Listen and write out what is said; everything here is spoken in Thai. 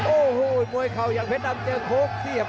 โอ้โหมวยเข่าอย่างเพชรดำเจอโค้กเสียบ